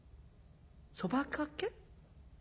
「そば賭け？